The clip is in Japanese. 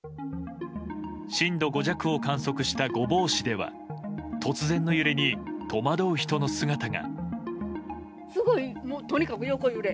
震度５弱を観測した御坊市では突然の揺れに、戸惑う人の姿が。